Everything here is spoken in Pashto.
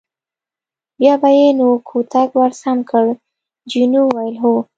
بیا به یې نو کوتک ور سم کړ، جینو وویل: هو.